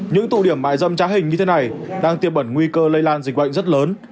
những tụ điểm mại dâm trá hình như thế này đang tiềm bẩn nguy cơ lây lan dịch bệnh rất lớn